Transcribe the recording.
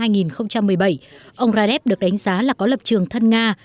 ông zuman zadev được đánh giá là có lập trường thân nga